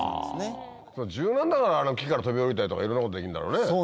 柔軟だから木から飛び降りたりとかいろんなことできるんだろうね。